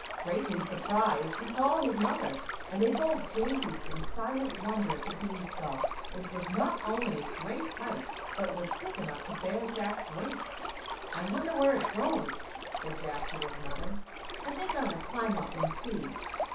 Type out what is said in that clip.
Greatly surprised, he called his mother, and they both gazed in silent wonder at the bean stalk, which was not only of great height, but was thick enough to bear Jack's weight. "I wonder where it goes?" said Jack to his mother; "I think I will climb up and see."